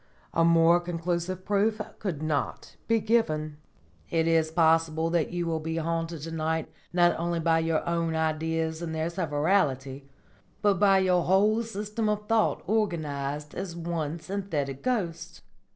A more conclusive proof could not be given." "Beware, then, how you proceed!" said he. "It is possible that you will be haunted to night not only by your Ideas in their severalty, but by your whole system of thought organised as one Synthetic Ghost.